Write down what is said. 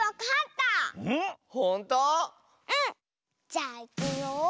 じゃあいくよ。